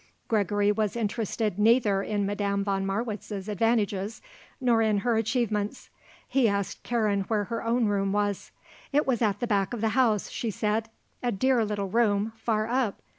Gregory was interested neither in Madame von Marwitz's advantages nor in her achievements. He asked Karen where her own room was. It was at the back of the house, she said; a dear little room, far up.